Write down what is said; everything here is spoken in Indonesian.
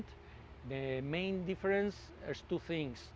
perbedaan utama adalah dua hal